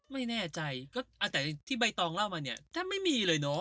ไม่แน่ใจก็แต่ที่ใบตองเล่ามาเนี่ยแทบไม่มีเลยเนอะ